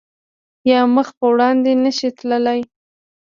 یا مخ په وړاندې نه شی تللی